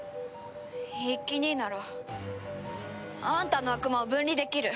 一輝兄ならあんたの悪魔を分離できる。